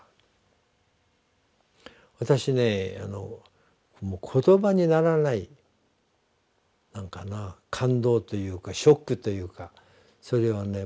私ねもう言葉にならない感動というかショックというかそれをね